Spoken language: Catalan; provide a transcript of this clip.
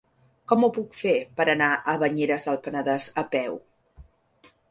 Com ho puc fer per anar a Banyeres del Penedès a peu?